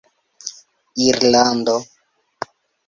irlando